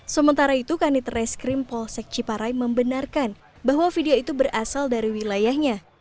sementara itu kanit reskrim polsek ciparai membenarkan bahwa video itu berasal dari wilayahnya